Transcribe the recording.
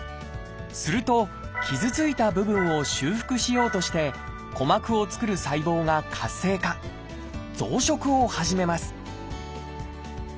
すると傷ついた部分を修復しようとして鼓膜を作る細胞が活性化増殖を始めます